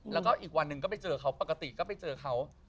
แล้วก็อีกวันหนึ่งก็ไปเจอเขาปกติก็ไปเจอเขา